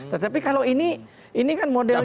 tetapi kalau ini ini kan modelnya